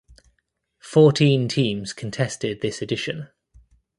Fourteen teams contested this edition.